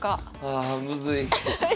あむずい。